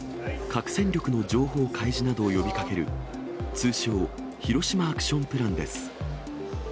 核戦力の情報開示などを呼びかける通称、ヒロシマアクションプランです。